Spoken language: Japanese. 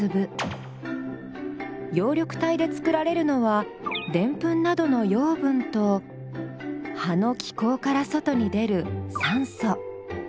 葉緑体で作られるのはデンプンなどの養分と葉の気孔から外に出る酸素。